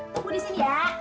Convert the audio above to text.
tunggu disini ya